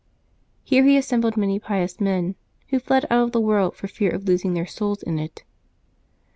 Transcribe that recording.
Here he assembled many pious men, who fled out of the world for fear of losing their souls in it.